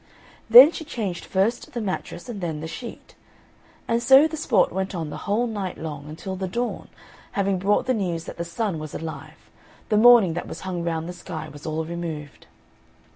Then she changed first the mattress and then the sheet; and so the sport went on the whole night long, until the Dawn, having brought the news that the Sun was alive, the mourning that was hung round the sky was all removed.